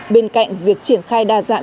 bên cạnh việc triển khai đa dạng